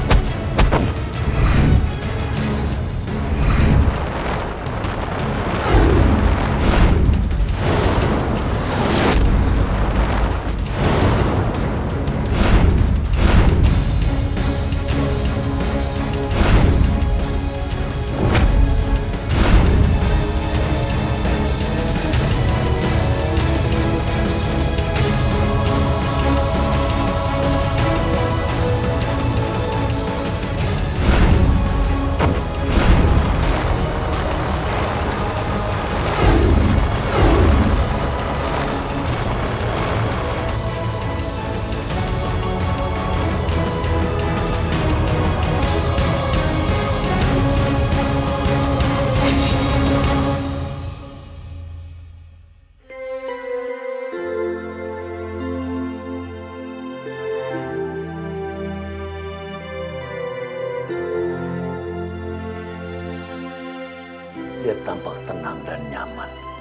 aku percaya padamu